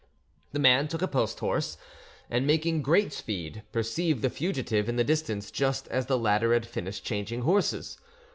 The man took a post horse, and, making great speed, perceived the fugitive in the distance just as the latter had finished changing horses.